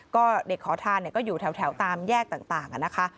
ก็เด็กขอทานก็อยู่แถวตามแยกต่างนะคะ